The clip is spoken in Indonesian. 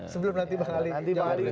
sebelum nanti pak ali